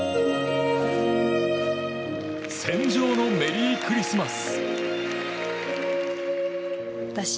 「戦場のメリークリスマス」。